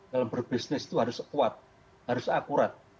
dalam berbisnis itu harus kuat harus akurat